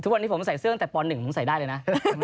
ทุกวันนี้ผมใส่เสื้อตั้งแต่ป๑ผมใส่ได้เลยนะ